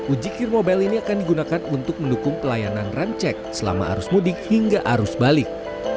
uji kirmobile ini akan digunakan untuk mendukung pelayanan ramcek selama arus mudik hingga arus balik